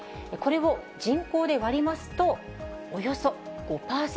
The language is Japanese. これを人口で割りますと、およそ５％。